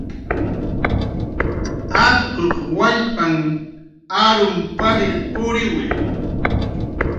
Atquq wallpanh arum palir puriwi.